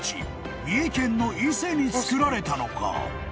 三重県の伊勢に造られたのか？］